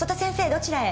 どちらへ？